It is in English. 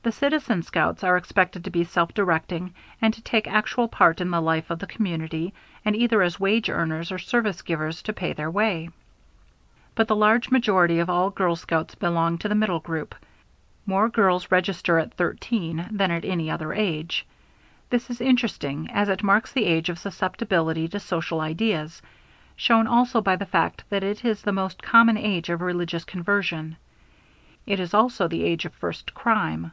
The Citizen Scouts are expected to be self directing and to take actual part in the life of the community and, either as wage earners or service givers, to pay their way. But the large majority of all girl scouts belong to the middle group. More girls register at 13 than at any other age. This is interesting, as it marks the age of susceptibility to social ideas, shown also by the fact that it is the most common age of religious conversion. It is also the age of first crime.